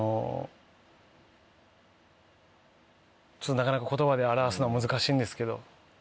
なかなか言葉で表すのは難しいんですけど。